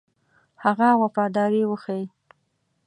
هغه وفاداري وښيي.